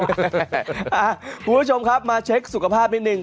คุณผู้ชมครับมาเช็คสุขภาพนิดนึง